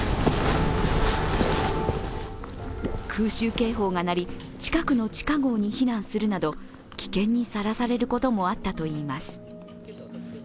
空襲警報が鳴り、近くの地下壕に避難するなど危険にさらされることもあったといいます。